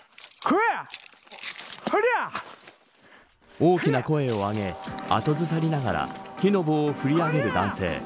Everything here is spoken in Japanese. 大きな声を上げ後ずさりながら木の棒を振り上げる男性。